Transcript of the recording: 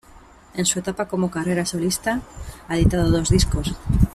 En su etapa como carrera solista ha editado dos discos.